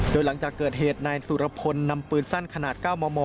โดยหลังจากเกิดเหตุนายสุรพลนำปืนสั้นขนาด๙มม